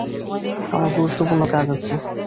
আমার গুরুত্বপূর্ণ কাজ আছে!